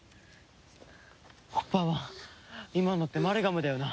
ホッパー１今のってマルガムだよな？